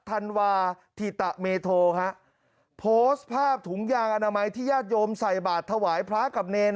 ธันวาถิตเมโทฮะโพสต์ภาพถุงยางอนามัยที่ญาติโยมใส่บาทถวายพระกับเนร